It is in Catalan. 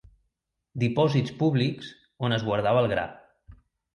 Dipòsits públics on es guardava el gra.